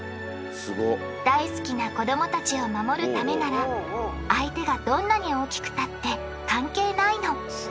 大好きな子どもたちを守るためなら相手がどんなに大きくたって関係ないの。